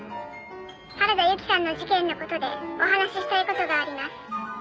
「原田由紀さんの事件の事でお話ししたい事があります」